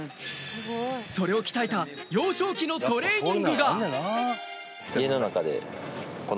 それを鍛えた幼少期のトレーニングが。